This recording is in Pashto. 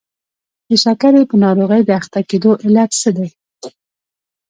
د شکرې په ناروغۍ د اخته کېدلو علت څه دی؟